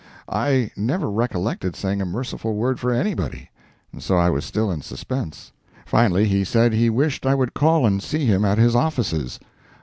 I never recollected saying a merciful word for anybody, and so I was still in suspense. Finally he said he wished I would call and see him at his offices.